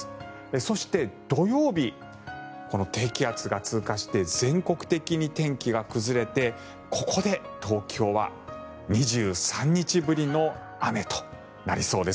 そして、土曜日この低気圧が通過して全国的に天気が崩れてここで東京は２３日ぶりの雨となりそうです。